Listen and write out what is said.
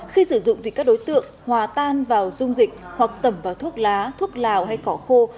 khi sử dụng thì các đối tượng hòa tan vào dung dịch hoặc tẩm vào thuốc lá thuốc lào hay cỏ khô